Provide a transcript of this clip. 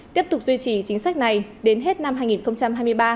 tiếp tục duy trì chính sách này đến hết năm hai nghìn hai mươi ba